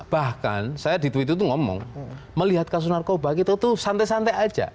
bahkan saya di twitter itu ngomong melihat kasus narkoba itu santai santai aja